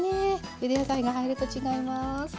ゆで野菜が入ると違います。